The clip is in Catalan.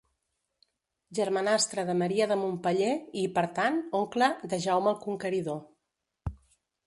Germanastre de Maria de Montpeller i, per tant, oncle de Jaume el Conqueridor.